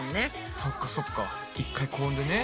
そっかそっか一回高温でね。